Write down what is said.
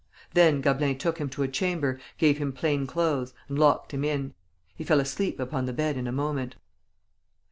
Then Gablin took him to a chamber, gave him plain clothes, and locked him in. He fell asleep upon the bed in a moment.